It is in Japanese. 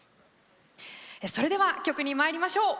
それでは曲にまいりましょう。